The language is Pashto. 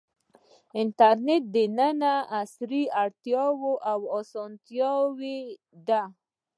انټرنیټ د ننني عصر اړتیا او اسانتیا ده.